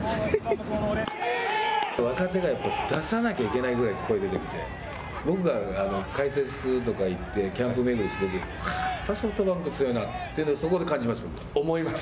若手が出さなきゃいけないぐらい声を出していて僕が解説とか行ってキャンプ巡りしているときにまたソフトバンク強いなっていうのをそこで感じました、僕。